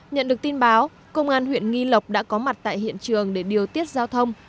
nhận được tin báo công an huyện nghi lộc đã có mặt tại hiện trường để điều tiết giao thông